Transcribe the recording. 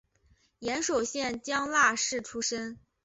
岩手县江刺市出身。